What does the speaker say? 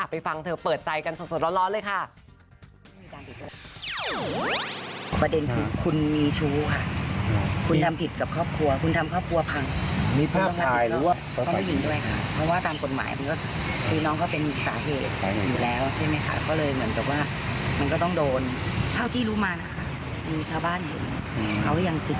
ไปฟังเธอเปิดใจกันสดร้อนเลยค่ะ